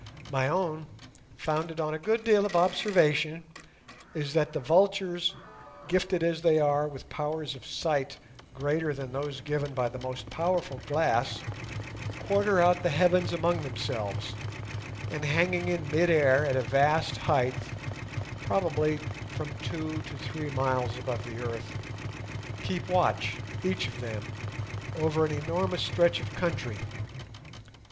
My own, founded on a good deal of observation, is that the vultures, gifted as they are with powers of sight greater than those given by the most powerful glass, quarter out the heavens among themselves, and hanging in mid air at a vast height—probably from two to three miles above the earth—keep watch, each of them, over an enormous stretch of country.